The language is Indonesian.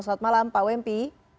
selamat malam pak wempi